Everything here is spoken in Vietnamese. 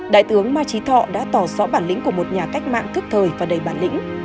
đại tướng ma trí thọ đã tỏ rõ bản lĩnh của một nhà cách mạng thức thời và đầy bản lĩnh